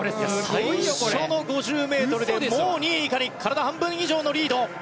最初の５０ｍでもう２位以下に体半分以上のリード。